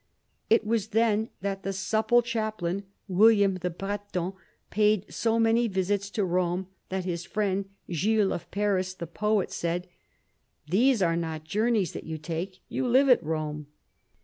It was then that the supple chaplain, William the Breton, paid so many visits to Rome that his friend, Giles of Paris, the poet, said, " These are not journeys that you take : you live at Rome."